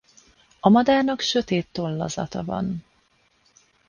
A madárnak sötét tollazata van.